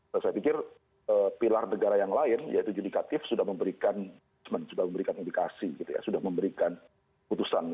saya pikir pilar negara yang lain yaitu judikatif sudah memberikan sudah memberikan indikasi gitu ya sudah memberikan putusan